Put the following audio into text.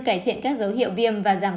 cải thiện các dấu hiệu viêm và giảm